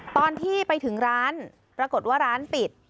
ตอนที่ไปถึงร้านปรากฏว่าร้านปิด